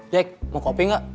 yaik mau kopi nggak